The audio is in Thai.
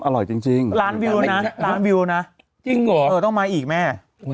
อร่อยจริงล้านวิวนะล้านวิวนะจริงเหรอเออต้องมาอีกแม่